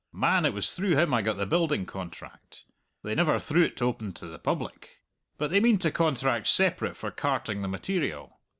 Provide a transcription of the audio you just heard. Man, it was through him I got the building contract; they never threw't open to the public. But they mean to contract separate for carting the material.